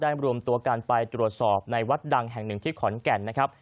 รวมตัวกันไปตรวจสอบในวัดดังแห่งหนึ่งที่ขอนแก่นนะครับ